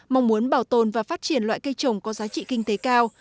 mong muốn bảo tồn và phát triển loại cây trồng có giá trị kinh tế cao